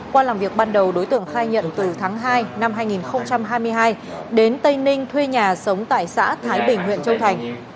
qua làm việc ban đầu đối tượng khai nhận từ tháng hai năm hai nghìn hai mươi hai đến tây ninh thuê nhà sống tại xã thái bình huyện châu thành